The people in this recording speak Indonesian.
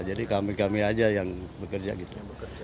jadi kami kami aja yang bekerja gitu